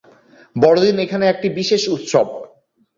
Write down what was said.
বড়দিন এখানে একটি বিশেষ উৎসব।